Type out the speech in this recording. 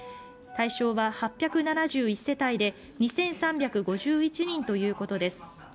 対象は８７１世帯で２３５１人ということです。